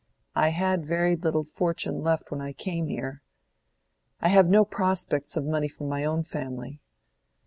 I had very little fortune left when I came here. I have no prospects of money from my own family.